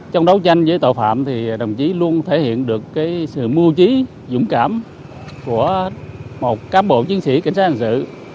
trong đấu tranh với tội phạm thì đồng chí luôn thể hiện được sự mưu trí dũng cảm của một cám bộ chiến sĩ cảnh sát hành sự